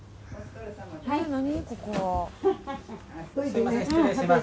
すいません失礼します。